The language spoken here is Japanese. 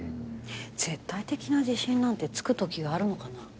絶対的な自信なんてつくときがあるのかな？